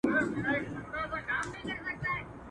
پخوانیو وريجې په اوبو کې کرلې.